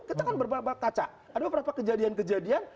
kita kan berbakat kaca ada beberapa kejadian kejadian